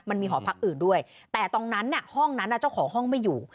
หอพักอื่นด้วยแต่ตรงนั้นห้องนั้นเจ้าของห้องไม่อยู่